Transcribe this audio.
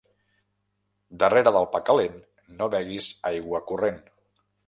Darrere del pa calent no beguis aigua corrent.